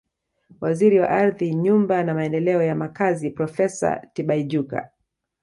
Waziri wa Ardhi Nyumba na Maendeleo ya Makazi Profesa Tibaijuka